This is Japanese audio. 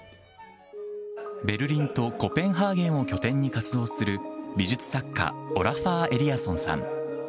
ベルリンとコペンハーゲンを拠点に活動する美術作家、オラファー・エリアソンさん。